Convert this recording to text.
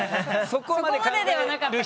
そこまでではなかったかも。